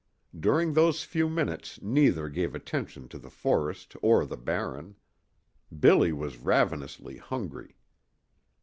During those few minutes neither gave attention to the forest or the Barren. Billy was ravenously hungry.